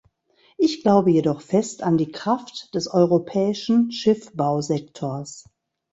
Ich glaube jedoch fest an die Kraft des europäischen Schiffbausektors.